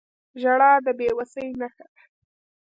• ژړا د بې وسۍ نښه ده.